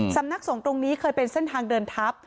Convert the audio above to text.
สำนักสงฆ์ตรงนี้เคยเป็นเส้นทางเดินทัพ